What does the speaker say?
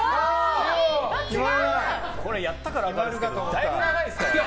これ、だいぶ長いですからね。